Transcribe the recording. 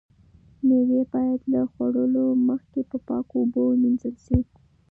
مېوې باید له خوړلو مخکې په پاکو اوبو ومینځل شي.